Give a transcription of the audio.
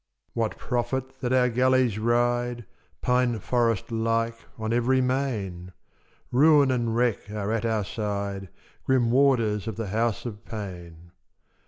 What profit that our galleys ride, Pine forest like, on every main? Ruin and wreck are at our side, Grim warders of the House of Pain.